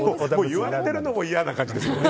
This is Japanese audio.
言われてるのも嫌な感じですね。